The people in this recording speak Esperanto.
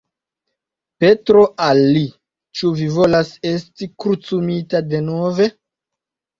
Petro al li: "Ĉu vi volas esti krucumita denove?